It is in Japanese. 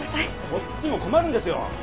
こっちも困るんですよ。